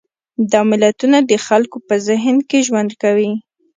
دا ملتونه د خلکو په ذهن کې ژوند کوي.